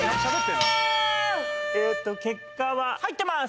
えーと結果は入ってます